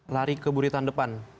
lari ke buritan depan